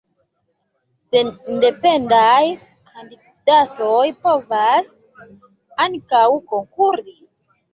Sendependaj kandidatoj povas ankaŭ konkuri.